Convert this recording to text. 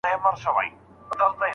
آیا ګډ ژوند تر یوازي ژوند خوږ دی؟